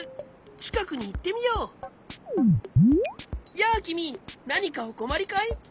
やあきみなにかおこまりかい？